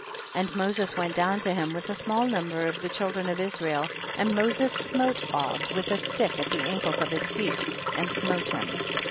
27. And Moses went down to him with a small number of the children of Israel, and Moses smote Og with a stick at the ankles of his feet and smote him.